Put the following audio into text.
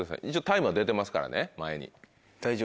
タイムは出てますからね前に。